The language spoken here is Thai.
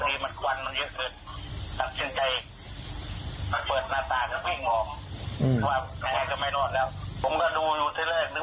เพราะว่ามันห้องผมเป็นปูดออกอืมถ้ามันพังประตูเข้ามาก็เหมือนจะไปรอด